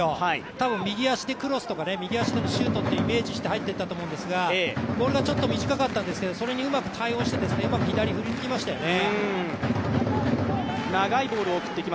多分、右足でクロスとか右足でゴールというのをイメージして入っていったと思うんですが、ボールがちょっと短かったんですけどそれにうまく対応してうまく左、振り抜きましたよね。